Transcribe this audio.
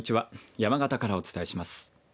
山形からお伝えします。